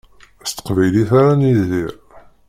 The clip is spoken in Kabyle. S teqbaylit ara nidir.